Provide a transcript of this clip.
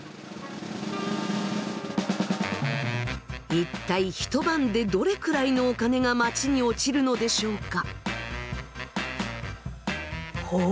一体一晩でどれくらいのお金が街に落ちるのでしょうか？